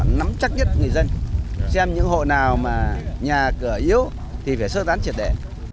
nắm chắc nhất người dân xem những hộ nào mà nhà cửa yếu thì phải sơ tán triệt đẻ